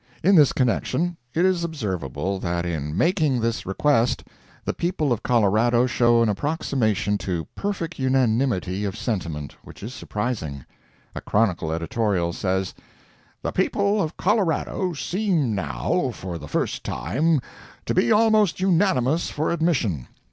In this connection, it is observable, that in making this request the people of Colorado show an approximation to perfect unanimity of sentiment which is surprising. A Chronicle editorial says: "The people of Colorado seem now, for the first time, to be almost unanimous for admission.